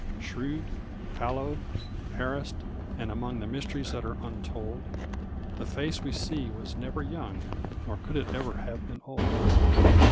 Shrewd, hallowed, harassed, and among The mysteries that are untold. The face we see was never young Nor could it ever have been old.